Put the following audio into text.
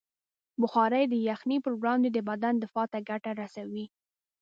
بخاري د یخنۍ پر وړاندې د بدن دفاع ته ګټه رسوي.